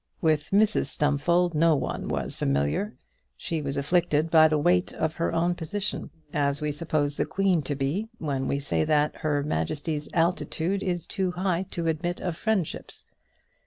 With Mrs Stumfold no one was familiar. She was afflicted by the weight of her own position, as we suppose the Queen to be, when we say that her Majesty's altitude is too high to admit of friendships.